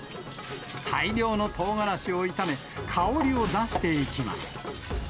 大量のトウガラシを炒め、香りを出していきます。